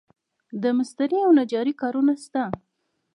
د مسترۍ او نجارۍ کارونه شته